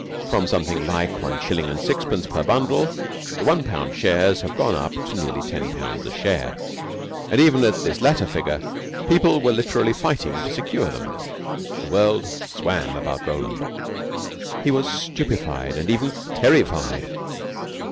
From something like one shilling and sixpence per bundle the one pound shares have gone up to nearly ten pounds a share, and even at this latter figure people were literally fighting to secure them. The world swam about Roland. He was stupefied and even terrified.